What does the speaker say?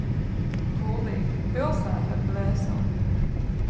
Kuldīga- pilsēta ar dvēseli.